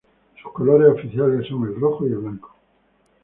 Sus colores oficiales son el rojo y el blanco.